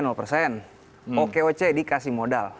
oke oke dikasih modal